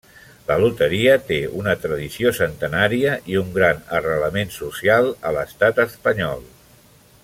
La Loteria té una tradició centenària i un gran arrelament social a l'Estat espanyol.